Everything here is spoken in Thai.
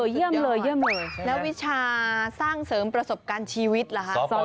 เยี่ยมเลยและวิชาสร้างเสริมประสบการณ์ชีวิตแหละฮะ